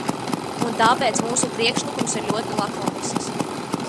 Un tāpēc mūsu priekšlikums ir ļoti lakonisks.